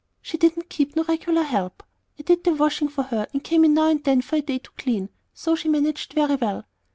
She didn't keep no regular help. I did the washing for her, and come in now and then for a day to clean; so she managed very well.